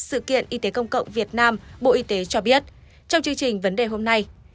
sự kiện y tế công cộng việt nam bộ y tế cho biết trong chương trình vấn đề hôm nay